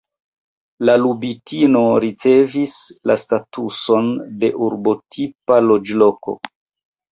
La Lubitino ricevis la statuson de urbotipa loĝloko.